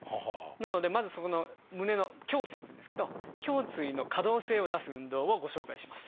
なのでまずそこの胸の「胸椎」っていうんですけど胸椎の可動性を出す運動をご紹介します。